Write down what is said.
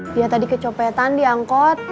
dia tadi kecopetan diangkot